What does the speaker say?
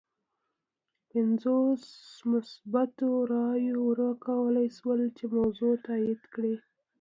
پنځو مثبتو رایو وکولای شول چې موضوع تایید کړي.